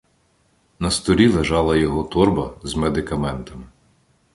На столі лежала його торба з медикаментами.